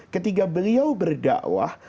ketika beliau berdakwah